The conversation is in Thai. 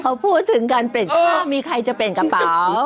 เขาพูดถึงการเปลี่ยนเสื้อผ้ามีใครจะเปลี่ยนกระเป๋า